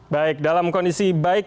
baik dalam kondisi baik